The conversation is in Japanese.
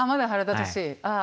ああ。